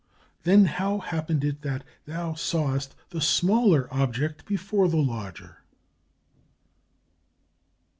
"Then how happened it that thou sawest the smaller object before the larger?"